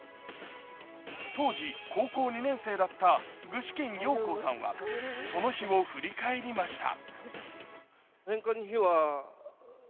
当時、高校２年生だった具志堅用高さんはその日を振り返りました。